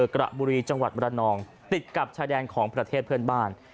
กระบุรีจังหวัดมรนองติดกับชายแดนของประเทศเพื่อนบ้าน